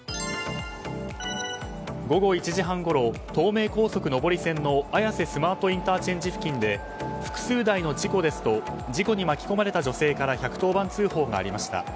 午後１時半ごろ東名高速上り線の綾瀬スマートＩＣ付近で複数台の事故ですと事故に巻き込まれた女性から１１０番通報がありました。